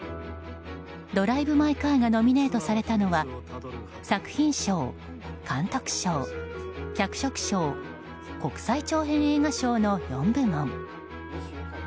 「ドライブ・マイ・カー」がノミネートされたのは作品賞、監督賞、脚色賞国際長編映画賞の４部門。